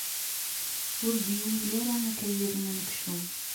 Ur d-yewwi ara akayad n unekcum.